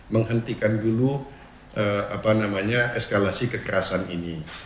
menghentikan dulu apa namanya eskalasi kekerasan ini